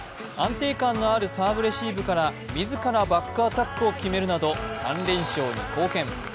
安定感のあるサーブレシーブから自らバックアタックを決めるなど３連勝に貢献。